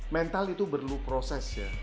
mental itu perlu proses ya